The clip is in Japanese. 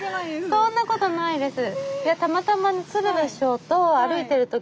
そんなことないです。